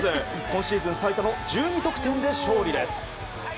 今シーズン最多の１２得点で勝利です。